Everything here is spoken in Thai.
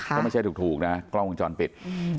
ก็ไม่ใช่ถูกนะกล้องวงจรปิด